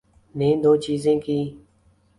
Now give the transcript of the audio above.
‘نے دوچیزیں کیں۔